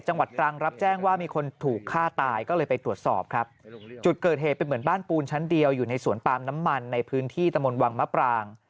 จังหวัดตรังรับแจ้งว่ามีคนถูกฆ่าตายก็เลยไปตรวจสอบครับจุดเกิดเหตุเป็นเหมือนบ้านปูนชั้นเดียวอยู่ในสวนปาล์มน้ำมันในพื้นที่ตะมนต์วังมะปราง